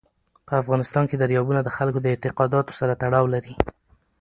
په افغانستان کې دریابونه د خلکو د اعتقاداتو سره تړاو لري.